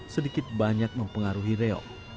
sedikit banyak mempengaruhi reog